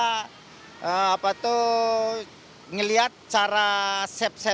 tuh ngelihat cara sepsetnya masak kalau kita hanya menikmati sajian makanan jepang seperti